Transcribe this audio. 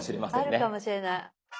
あるかもしれない。